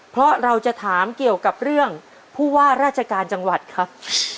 เพราะเราจะถามเกี่ยวกับเรื่องผู้ว่าราชการจังหวัดครับ